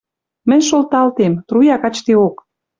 Мӹнь шолталтем. Труя качдеок».